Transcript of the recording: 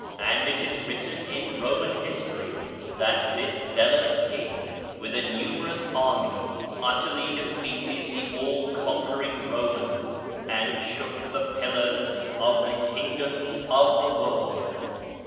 And it is written in Roman history, that this zealous king, with a numerous army, utterly de feated the all conquering Romans, and shook the pillars of the kingdoms of the world.